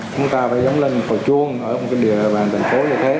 chúng ta phải giống lên cò chuông ở một cái địa bàn thành phố như thế